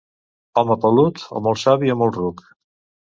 Home pelut, o molt savi o molt ruc.